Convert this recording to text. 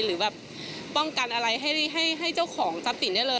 หรือแบบป้องกันอะไรให้เจ้าของทรัพย์สินได้เลย